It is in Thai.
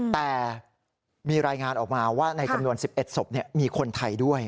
แต่มีรายงานออกมาว่าในจำนวน๑๑ศพมีคนไทยด้วย